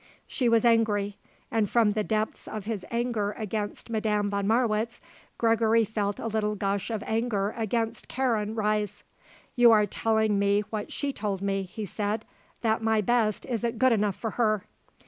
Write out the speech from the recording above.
She was angry, and from the depths of his anger against Madame von Marwitz Gregory felt a little gush of anger against Karen rise. "You are telling me what she told me," he said; "that my best isn't good enough for her.